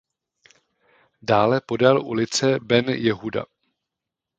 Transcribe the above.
Dále podél ulice Ben Jehuda.